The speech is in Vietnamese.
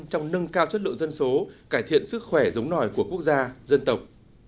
trong nâng cao chất lượng dân số cải thiện sức khỏe giống nòi của quốc gia dân tộc